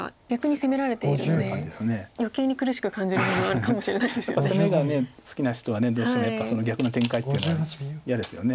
攻めが好きな人はどうしてもやっぱりその逆の展開っていうのは嫌ですよね。